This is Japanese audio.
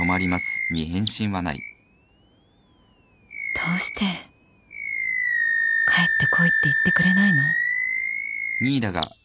どうして帰ってこいって言ってくれないの？